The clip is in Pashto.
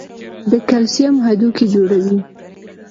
د کلسیم هډوکي جوړوي.